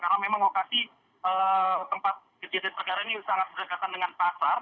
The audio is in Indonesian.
karena memang lokasi tempat kejadian perkaranya ini sangat berkaitan dengan pasar